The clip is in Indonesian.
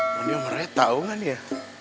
mondi sama raya tau kan ya